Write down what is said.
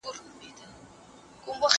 په دریاب کي پاڅېدل د اوبو غرونه